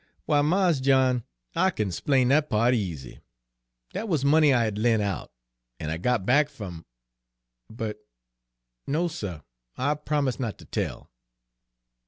"Why, Mars John, I kin 'splain dat part easy. Dat wuz money I had lent out, an' I got back f'm But no, suh, I promise' not ter tell."